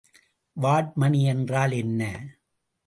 வாட்மணி என்றால் என்ன?